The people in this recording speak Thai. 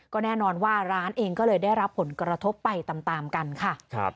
ก็แน่นอนว่าร้านเองก็เลยได้รับผลกระทบไปตามกันค่ะ